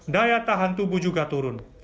daya tahan tubuh juga turun